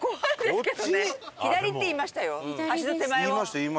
左って言いましたよ